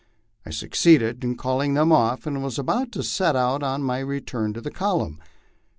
I succeeded in calling them off, and was about to set out on my return to the column.